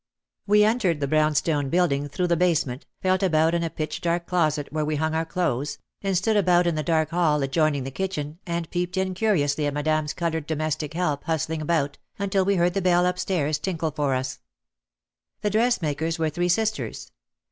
We entered the brownstone building through the basement, felt about in a pitch dark closet where we hung our clothes, and stood about in the dark hall adjoining the kitchen and peeped in curiously at Madame's coloured domestic help hustling about, until we heard the bell up stairs tinkle for us. The dressmakers were three sisters.